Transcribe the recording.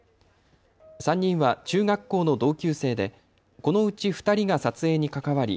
３人は中学校の同級生でこのうち２人が撮影に関わり